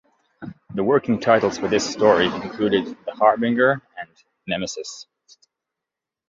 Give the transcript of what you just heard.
The working titles for this story included "The Harbinger" and "Nemesis".